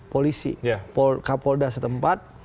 polisi kapolda setempat